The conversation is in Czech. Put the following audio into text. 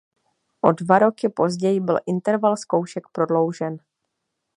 O dva roky později byl interval zkoušek prodloužen.